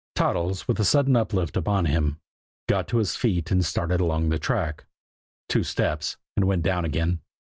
Toddles, with the sudden uplift upon him, got to his feet and started along the track two steps and went down again.